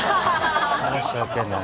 申し訳ない。